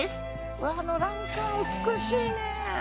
あの欄干美しいね！